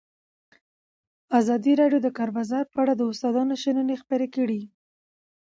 ازادي راډیو د د کار بازار په اړه د استادانو شننې خپرې کړي.